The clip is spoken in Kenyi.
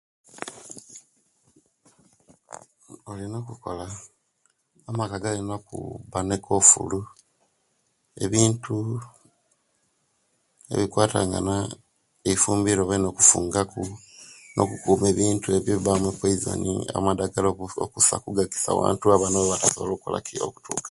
Olina okukola amaka galina okuba ne ekofulu ebintu ebikwatangana efumbiro balina okufunga ku nga no okukuma ebintu ebyo ebibamu poison amadagala okugisa okusa okugisa owantu abana owebatasobola okutuka